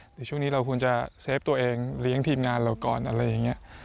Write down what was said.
เดี๋ยวช่วงนี้เราควรจะเซฟตัวเองเลี้ยงทีมงานเราก่อนอะไรอย่างนี้